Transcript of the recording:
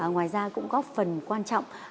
ngoài ra cũng góp phần quan trọng